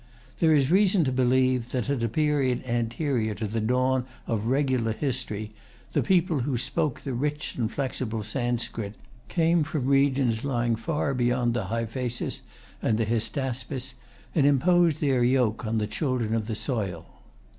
There is reason to believe that, at a period anterior to the dawn of regular history, the people who spoke the rich and flexible Sanskrit came from regions lying far beyond the Hyphasis and the Hystaspes, and imposed their yoke on the children of the soil.